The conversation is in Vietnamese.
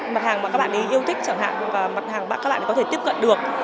mặt hàng mà các bạn ấy yêu thích chẳng hạn và mặt hàng các bạn ấy có thể tiếp cận được